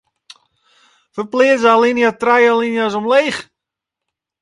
Ferpleats de alinea trije alinea's omleech.